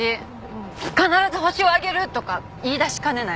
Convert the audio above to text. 「必ずホシを挙げる！」とか言い出しかねない。